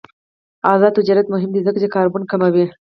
آزاد تجارت مهم دی ځکه چې کاربن کموي.